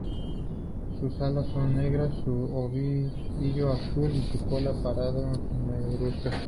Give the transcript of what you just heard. Sus alas son negras, su obispillo azul y su cola pardo negruzca.